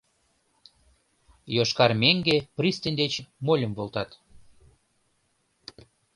«Йошкар меҥге» пристань деч мольым волтат.